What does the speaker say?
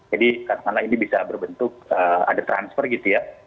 katakanlah ini bisa berbentuk ada transfer gitu ya